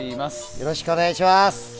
よろしくお願いします。